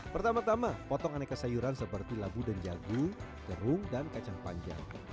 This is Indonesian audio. pertama tama potong aneka sayuran seperti labu dan jagung jerung dan kacang panjang